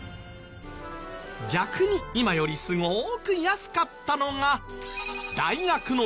逆に今よりすごく安かったのが。